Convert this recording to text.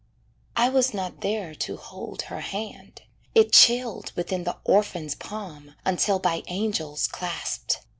I was not there to hold Her hand; it chilled within the orphan's palm Until by angels clasp'd.